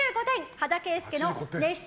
羽田圭介の熱唱